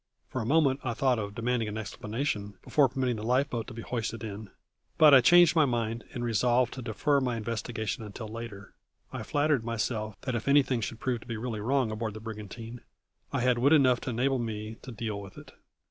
For a moment I thought of demanding an explanation before permitting the life boat to be hoisted in; but I changed my mind and resolved to defer my investigation until later. I flattered myself that if anything should prove to be really wrong aboard the brigantine I had wit enough to enable me to deal with it.